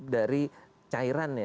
dari cairan ya